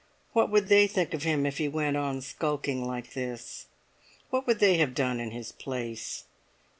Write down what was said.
What would they think of him if he went on skulking like this? What would they have done in his place?